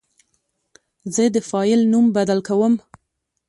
زه د فایل نوم بدل کوم.